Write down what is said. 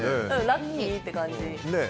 ラッキーって感じ。